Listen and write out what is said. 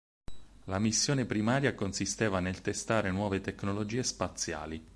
La missione primaria consisteva nel testare nuove tecnologie spaziali.